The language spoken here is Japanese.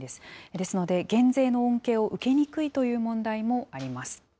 ですので、減税の恩恵を受けにくいという問題もあります。